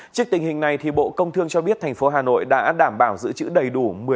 trước tình hình này bộ công thương cho biết thành phố hà nội đã đảm bảo giữ đầy đủ